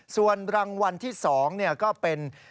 ส่วนรางวัลที่๒ก็เป็น